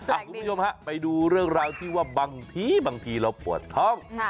คุณผู้ชมฮะไปดูเรื่องราวที่ว่าบางทีบางทีเราปวดท้อง